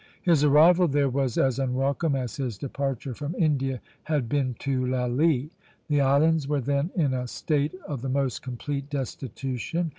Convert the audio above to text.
His arrival there was as unwelcome as his departure from India had been to Lally. The islands were then in a state of the most complete destitution.